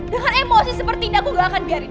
dengan emosi seperti ini aku gak akan biarin